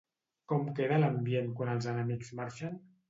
Com queda l'ambient quan els enemics marxen?